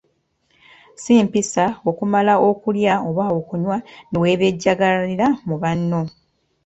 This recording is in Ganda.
Si mpisa okumala okulya oba okunywa ne weebejjagalira mu banno.